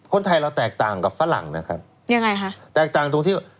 คนไทยเราแตกต่างกับฝรั่งนะครับแตกต่างตรงที่